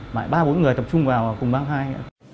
mà ba bốn người tập trung vào cùng mang thai